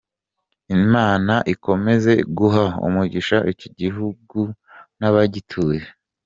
Imana ikomeze guha umugisha iki gihugu n’abagituye."